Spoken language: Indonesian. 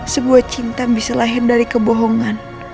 sebuah cinta bisa lahir dari kebohongan